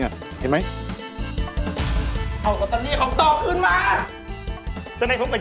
สามารถรับชมได้ทุกวัย